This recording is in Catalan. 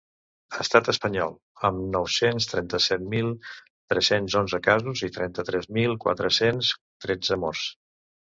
Estat espanyol, amb nou-cents trenta-set mil tres-cents onze casos i trenta-tres mil quatre-cents tretze morts.